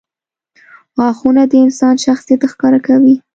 • غاښونه د انسان شخصیت ښکاره کوي.